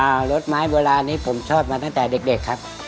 รสไม้โบราณนี้ผมชอบมาตั้งแต่เด็กเด็กครับ